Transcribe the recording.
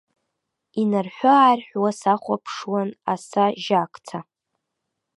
Инарҳәы-аарҳәуа сахәаԥшуан аса жьакца.